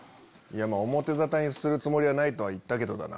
表沙汰にするつもりはないとは言ったけどだな。